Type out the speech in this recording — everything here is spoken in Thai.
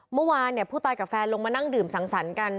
เมื่อวานเนี่ยผู้ตายกับแฟนลงมานั่งดื่มสังสรรค์กัน